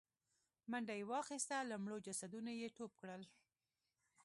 منډه يې واخيسته، له مړو جسدونو يې ټوپ کړل.